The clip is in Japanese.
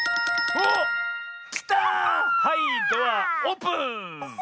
はいドアオープン！